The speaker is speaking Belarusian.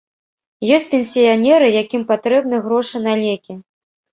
Ёсць пенсіянеры, якім патрэбны грошы на лекі.